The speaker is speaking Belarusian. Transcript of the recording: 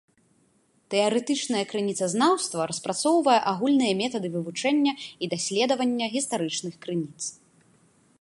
Тэарэтычнае крыніцазнаўства распрацоўвае агульныя метады вывучэння і даследавання гістарычных крыніц.